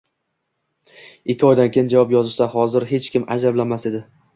ikki oydan keyin javob yozishsa hozir hech kim ajablanmas edi.